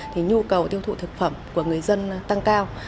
thì nhu cầu tiêu thụ thực phẩm của người dân tăng cao